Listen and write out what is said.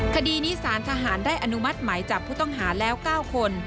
คดีนี้สารทหารได้อนุมัติหมายจับผู้ต้องหาแล้ว๙คน